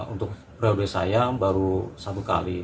untuk periode saya baru satu kali